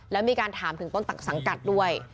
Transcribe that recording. แล้วมีการถามถึงต้นตักสังกัดด้วย